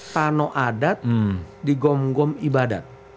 tanah adat digom gom ibadat